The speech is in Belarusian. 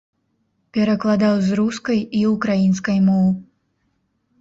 Перакладаў з рускай і ўкраінскай моў.